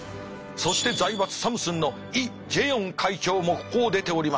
そして財閥サムスンのイ・ジェヨン会長もここを出ております。